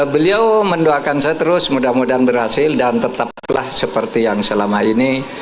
beliau mendoakan saya terus mudah mudahan berhasil dan tetaplah seperti yang selama ini